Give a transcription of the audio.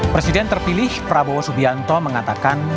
presiden terpilih prabowo subianto mengatakan